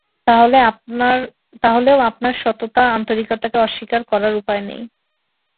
তাহলেও আপনার সততা আন্তরিকতাকে অস্বীকার করার উপায় নেই।